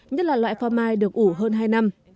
nhất là loại pho mai được ủ hơn hai năm